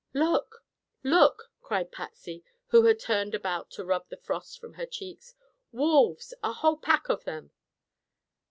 "Look! Look!" cried Patsy, who had turned about to rub the frost from her cheeks. "Wolves! A whole pack of them!"